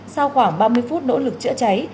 sau khoảng ba mươi phút nỗ lực chữa cháy